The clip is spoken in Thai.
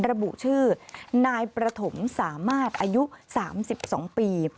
ระบุชื่อนายประถมสามารถอายุ๓๒ปี